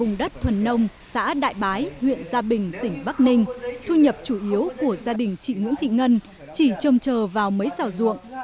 vùng đất thuần nông xã đại bái huyện gia bình tỉnh bắc ninh thu nhập chủ yếu của gia đình chị nguyễn thị ngân chỉ trông chờ vào mấy xảo ruộng